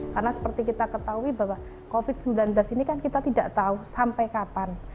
karena seperti kita ketahui bahwa covid sembilan belas ini kan kita tidak tahu sampai kapan